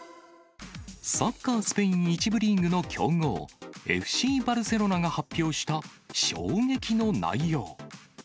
サッカースペイン１部リーグの強豪、ＦＣバルセロナが発表した衝撃の内容。